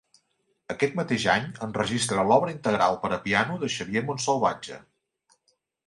Aquest mateix any enregistra l'obra integral per a piano de Xavier Montsalvatge.